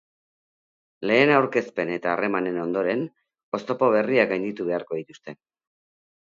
Lehen aurkezpen eta harremanen ondoren, oztopo berriak gainditu beharko dituzte.